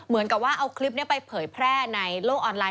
แต่ว่าเอาคลิปนี้ไปเผยแพร่ในโลกออนไลน์